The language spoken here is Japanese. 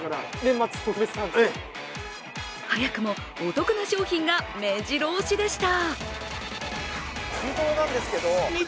早くもお得な商品が目白押しでした。